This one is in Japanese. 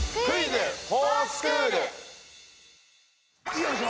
よいしょ！